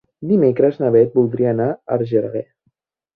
Dimecres na Bet voldria anar a Argelaguer.